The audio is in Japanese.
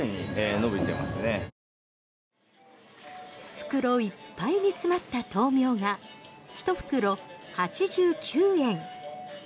袋いっぱいに詰まった豆苗が１袋８９円。